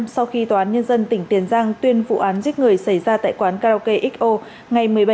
sau khi tòa án nhân dân tỉnh tiền giang tuyên vụ án giết người xảy ra tại quán karaoke xo ngày một mươi bảy tháng